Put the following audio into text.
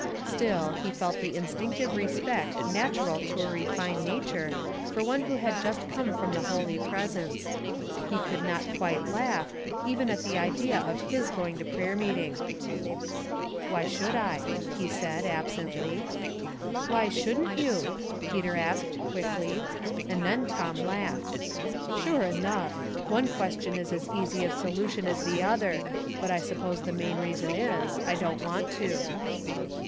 Still he felt the instinctive re spect natural to a refined nature for one who had just come from the Holy Presence. He could not quite laugh, even at the idea of his going to prayei meeting. 68 Household Puzzles, " Why should I ?" he said, absently. " Why shouldn't you ?" Peter asked, quickly; and then Tom laughed. " Sure enough ; one question is as easy of so lution as the other, but I suppose the main reason is — I don't want to."